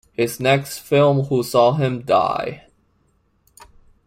His next film Who Saw Him Die?